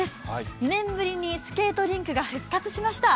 ２年ぶりにスケートリンクが復活しました。